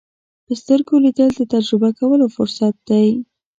په سترګو لیدل د تجربه کولو فرصت دی